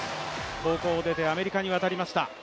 高校を出てアメリカに渡りました。